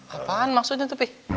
apaan maksudnya tuh pi